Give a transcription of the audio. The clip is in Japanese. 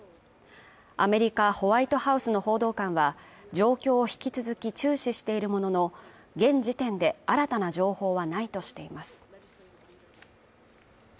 アメリカ・ホワイトハウスの報道官は、状況を引き続き注視しているものの、現時点で新たな情報はないとしています。